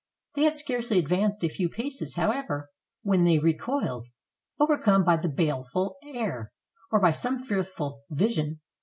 They had scarcely advanced a few paces, however, when they recoiled, overcome by the baleful air, or by some fearful vision.